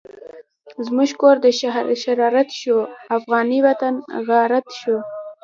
زمونږ کور دشرارت شو، افغانی وطن غارت شو